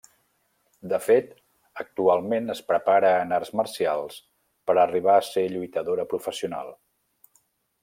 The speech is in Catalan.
De fet, actualment es prepara en arts marcials per arribar a ser lluitadora professional.